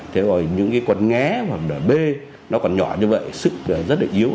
thế rồi những cái con ngé hoặc là bê nó còn nhỏ như vậy sức rất là yếu